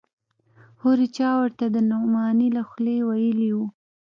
هورې چا ورته د نعماني له خولې ويلي و.